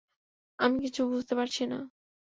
আমি কিছু বুঝতে পারছি না!